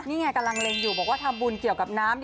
นี่ไงกำลังเล็งอยู่บอกว่าทำบุญเกี่ยวกับน้ำ